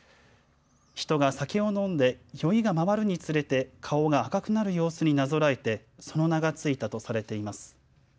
人が酒を飲んで酔いが回るにつれて顔が赤くなる様子になぞらえてその名が付いたとされています。